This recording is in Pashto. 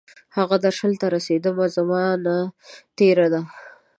هغه درشل ته رسیدمه، زمانه تیره ده